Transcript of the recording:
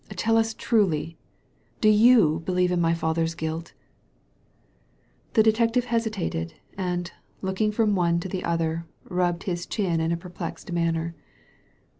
Tell us truly — Do you believe in my father's guilt?" The detective hesitated, and, looking from one to the other, rubbed his chin in a perplexed manner.